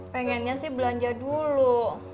pengennya sih belanja dulu